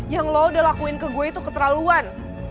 yang lo udah lakuin ke gue itu keterlaluan